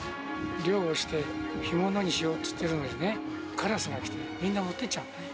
漁をして、干物にしようっていうときにね、カラスが来て、みんな持ってっちゃうのね。